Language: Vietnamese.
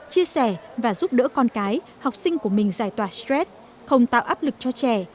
chia sẻ và giúp đỡ con cái học sinh của mình giải tỏa stress không tạo áp lực cho trẻ